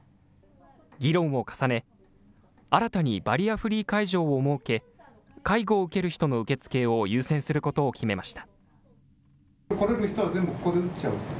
議論を重ね、新たにバリアフリー会場を設け、介護を受ける人の受け付けを優先することを決めました。